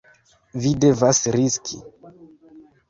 Vi devas riski.